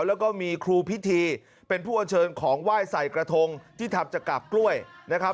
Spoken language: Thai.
แล้วก็มีครูพิธีเป็นผู้อัญเชิญของไหว้ใส่กระทงที่ทำจากกาบกล้วยนะครับ